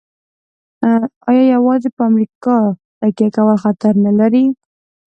آیا یوازې په امریکا تکیه کول خطر نلري؟